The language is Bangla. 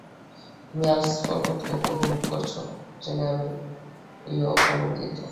তুমি আলপস পর্বত খুব উপভোগ করছ জেনে আমিও আনন্দিত।